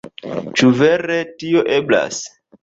Ĉu vere tio eblas?